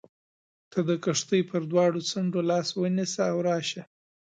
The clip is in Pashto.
ته د کښتۍ پر دواړو څنډو لاس ونیسه او راشه.